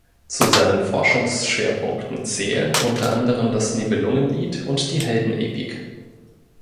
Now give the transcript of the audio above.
Zu seinen Forschungsschwerpunkten zählen unter anderem das Nibelungenlied und die Heldenepik.